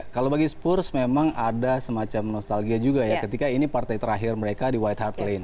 kalau bagi spurs memang ada semacam nostalgia juga ya ketika ini partai terakhir mereka di white hard lane